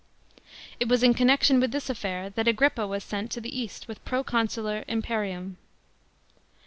It was in connection with this affair that Agrippa was sent to the East with proconsular imperium.